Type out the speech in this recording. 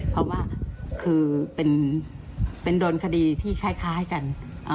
เพราะว่าคือเป็นโดนคดีที่คล้ายกัน